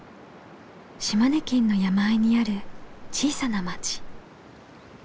島根県の山あいにある小さな町。